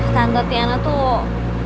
tante tiana tuh